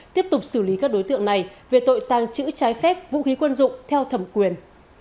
tiếp tục xử lý các đối tượng này về tội tàng trữ trái phép vũ khí quân dụng theo thẩm quyền